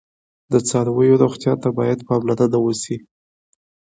د څارویو روغتیا ته باید پاملرنه وشي.